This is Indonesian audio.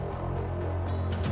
kasian tahu keatna